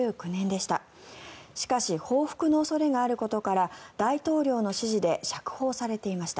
しかし報復の恐れがあることから大統領の指示で釈放されていました。